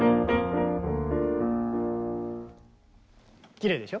きれいでしょ？